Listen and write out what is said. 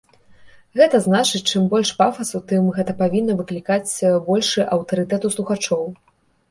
Гэта значыць, чым больш пафасу, тым гэта павінна выклікаць большы аўтарытэт у слухачоў.